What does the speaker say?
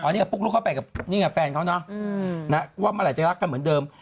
อันนี้ปุ๊กลุกเข้าไปกับนี่ไงแฟนเขาเนาะว่าเมื่อไหร่จะรักกันเหมือนเดิม